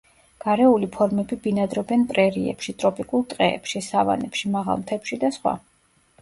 გარეული ფორმები ბინადრობენ პრერიებში, ტროპიკულ ტყეებში, სავანებში, მაღალ მთებში და სხვა.